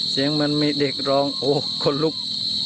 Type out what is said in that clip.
เสียงมันมีเด็กร้องโอ้คนลุก